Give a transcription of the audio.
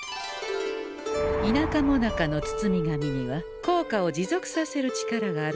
田舎もなかの包み紙には効果を持続させる力があるのでござんす。